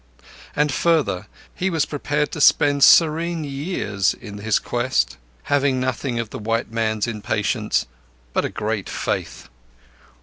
And further, he was prepared to spend serene years in his quest; having nothing of the white man's impatience, but a great faith.